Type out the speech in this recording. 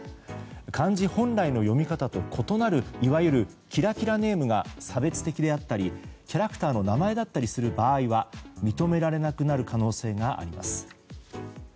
漢字本来の読み方と異なるいわゆるキラキラネームが差別的であったりキャラクターの名前だったりする場合は認められなくなる可能性があります。